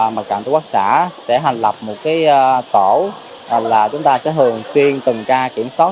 mặt cảnh của quốc xã sẽ hành lập một cái tổ là chúng ta sẽ thường xuyên từng ca kiểm soát